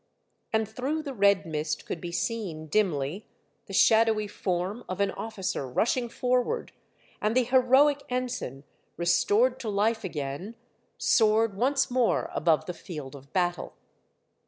" And through the red mist could be seen, dimly, the shadowy form of an officer rushing forward, and the heroic ensign, restored to life again, soared once more above the field of battle.